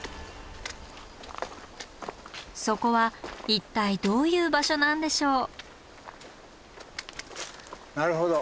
そこは一体どういう場所なんでしょう？